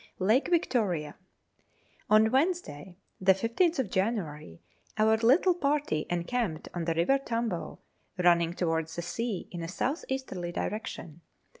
Lake Victoria. On Wednesday, the 15th of January, our little party encamped on the River Tambo, running towards the sea in a south easterly direction.